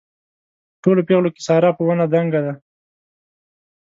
په ټولو پېغلو کې ساره په ونه دنګه ده.